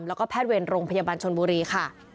แล้วก็แพทย์เวรโรงพยาบาลชนบุรีค่ะ